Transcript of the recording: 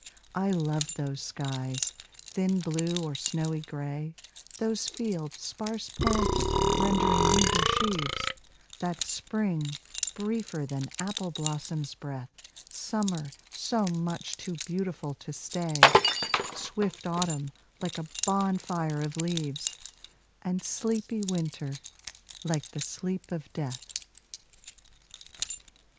I love those skies, thin blue or snowy gray, Those fields sparse planted, rendering meager sheaves; That spring, briefer than apple blossom's breath, Summer, so much too beautiful to stay, Swift autumn, like a bonfire of leaves, And sleepy winter, like the sleep of death.